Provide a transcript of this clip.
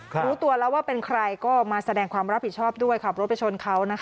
ก็เลยไปแจ้งความกันไว้ก่อน